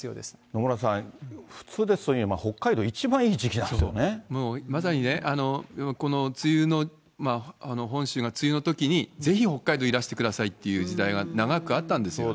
野村さん、普通ですと、北海道、もうまさにね、この梅雨の、本州の梅雨のときに、ぜひ北海道いらしてくださいっていう時代が長くあったんですよ。